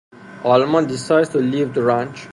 Alma decides to leave the ranch.